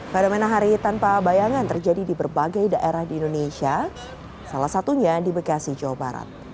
fenomena hari tanpa bayangan terjadi di berbagai daerah di indonesia salah satunya di bekasi jawa barat